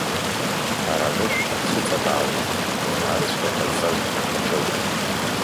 Ҳара анышә ҳцәыҵабаауеит, уара ацәгьа ҟазҵаз духьчоит…